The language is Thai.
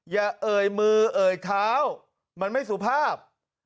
เอ่ยมือเอ่ยเท้ามันไม่สุภาพ